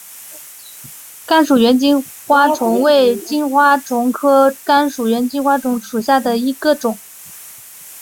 甘薯猿金花虫为金花虫科甘薯猿金花虫属下的一个种。